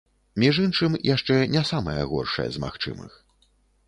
Між іншым, яшчэ не самае горшае з магчымых.